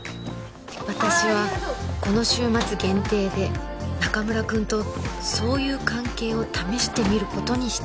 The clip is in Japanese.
私はこの週末限定で中村くんと「そういう関係」を試してみる事にした